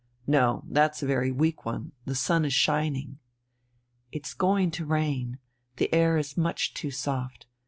"No, that's a very weak one. The sun is shining...." "It's going to rain. The air is much too soft.